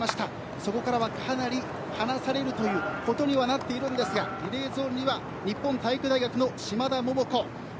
そこからはかなり離されるということにはなっていますがリレーゾーンには日本体育大学の嶋田桃子。